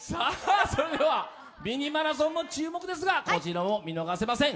ミニマラソンも注目ですが、こちらも見逃せません。